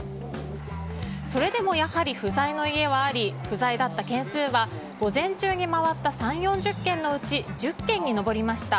それでもやはり不在の家はあり不在だった軒数は午前中に回った３０４０軒のうち１０軒に上りました。